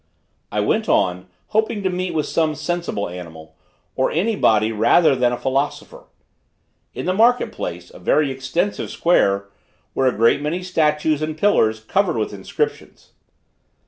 I went on, hoping to meet with some sensible animal, or any body rather than a philosopher. In the market place, a very extensive square, were a great many statues and pillars, covered with inscriptions.